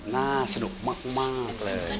น่าสนุกมากเลย